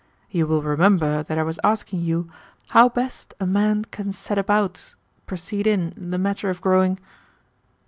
You will remember that I was asking you how best a man can set about, proceed in, the matter of growing..."